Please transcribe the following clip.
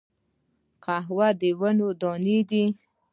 قهوه د ونې دانی دي